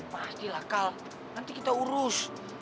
pastilah kal nanti kita urus